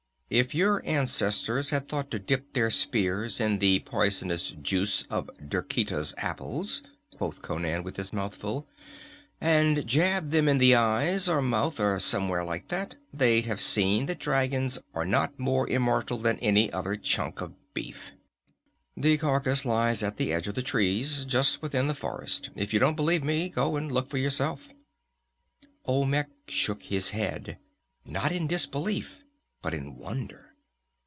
"If your ancestors had thought to dip their spears in the poisonous juice of Derketa's Apples," quoth Conan, with his mouth full, "and jab them in the eyes or mouth or somewhere like that, they'd have seen that dragons are not more immortal than any other chunk of beef. The carcass lies at the edge of the trees, just within the forest. If you don't believe me, go and look for yourself." Olmec shook his head, not in disbelief but in wonder.